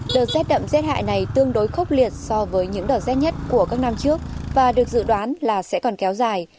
đợt rét đậm rét hại này tương đối khốc liệt so với những đợt rét nhất của các năm trước và được dự đoán là sẽ còn kéo dài